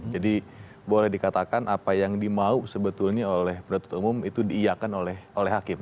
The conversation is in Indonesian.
jadi boleh dikatakan apa yang dimau sebetulnya oleh penduduk umum itu diiakan oleh hakim